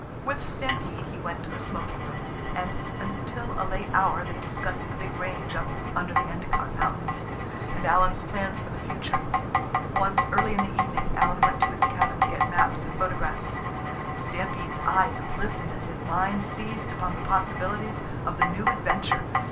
With Stampede he went to the smoking room, and until a late hour they discussed the big range up under the Endicott Mountains, and Alan's plans for the future. Once, early in the evening, Alan went to his cabin to get maps and photographs. Stampede's eyes glistened as his mind seized upon the possibilities of the new adventure.